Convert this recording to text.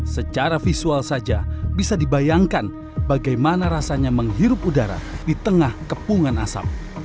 secara visual saja bisa dibayangkan bagaimana rasanya menghirup udara di tengah kepungan asap